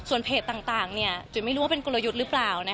เพจต่างจุ๋ยไม่รู้ว่าเป็นกลยุทธ์หรือเปล่า